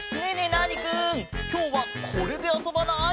ナーニくんきょうはこれであそばない？